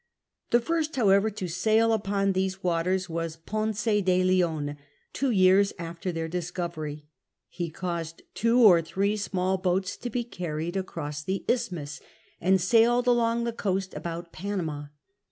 The first, however, to s«ail uiion these waters was Ponce de Leon, two years after their discovery. He caused two or three small boats to bo carried across the isthmus, CHAP. IV ITS FIRST SAILORS 45 and sailed along the coast about Panama.